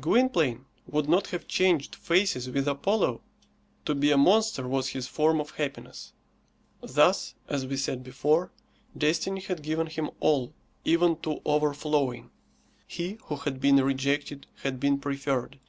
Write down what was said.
Gwynplaine would not have changed faces with Apollo. To be a monster was his form of happiness. Thus, as we said before, destiny had given him all, even to overflowing. He who had been rejected had been preferred.